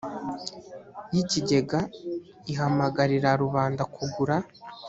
y ikigega ihamagarira rubanda kugura